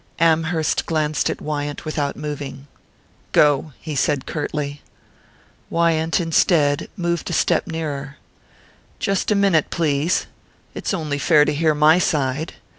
Amherst glanced at Wyant without moving. "Go," he said curtly. Wyant, instead, moved a step nearer. "Just a minute, please. It's only fair to hear my side.